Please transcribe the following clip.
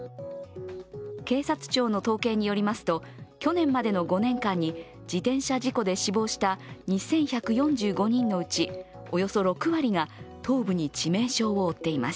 警察庁の統計によりますと去年までの５年間に自転車事故で死亡した２１４５人のうちおよそ６割が頭部に致命傷を負っています。